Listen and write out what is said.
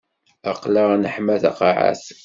Aql-aɣ neḥma taqaɛet.